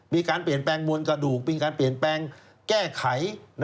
มีการเปลี่ยนแปลงมวลกระดูกมีการเปลี่ยนแปลงแก้ไข